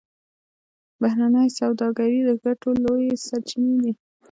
بهرنۍ سوداګري د ګټو لویې سرچینې دي